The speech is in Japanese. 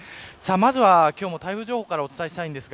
まずは、台風情報からお伝えします。